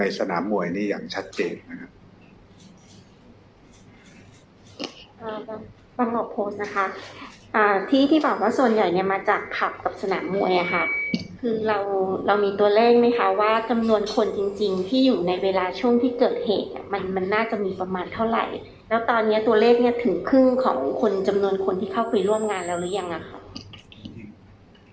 สนามมวยนี่ยังชัดเจนนะครับที่ที่บอกว่าส่วนใหญ่เนี่ยมาจากผับกับสนามมวยอ่ะค่ะคือเราเรามีตัวเลขไหมคะว่าจำนวนคนจริงจริงที่อยู่ในเวลาช่วงที่เกิดเหตุอ่ะมันมันน่าจะมีประมาณเท่าไหร่แล้วตอนเนี้ยตัวเลขเนี้ยถึงครึ่งของคนจำนวนคนที่เข้าไปร่วมงานแล้วหรือยังอ่ะค่ะ